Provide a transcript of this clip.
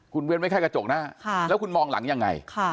คุณเว้นไว้แค่กระจกหน้าแล้วคุณมองหลังยังไง